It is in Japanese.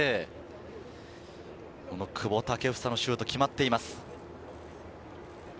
この久保建英のシュートが決まっています。